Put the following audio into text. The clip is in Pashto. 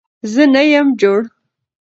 زه نه يم جوړ